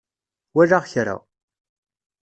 Walaɣ kra.